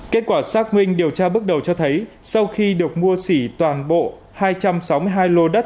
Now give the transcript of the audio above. kết quả xác minh điều tra bước đầu cho thấy sau khi được mua xỉ toàn bộ hai trăm sáu mươi hai lô đất